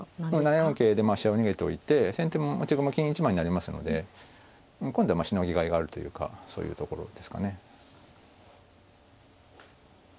７四桂で飛車を逃げておいて先手も持ち駒金１枚になりますので今度はしのぎがいがあるというかそういうところですかね。